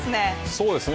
そうですね。